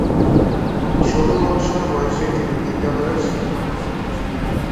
ষোল বৎসর বয়সে তিনি বিদ্যালয়ের শিক্ষক হন।